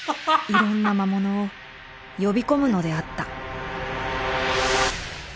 いろんな魔物を呼び込むのであった。